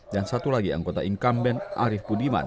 dan satu lagi anggota inkamben arief budiman